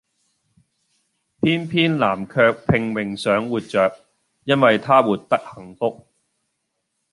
偏偏南卻拼命想活著，因為她活得幸福